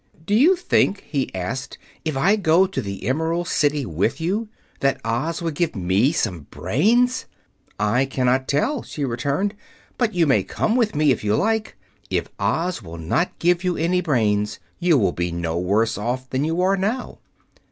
"Do you think," he asked, "if I go to the Emerald City with you, that Oz would give me some brains?" "I cannot tell," she returned, "but you may come with me, if you like. If Oz will not give you any brains you will be no worse off than you are now."